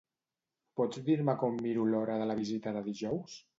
Pots dir-me com miro l'hora de la visita de dijous?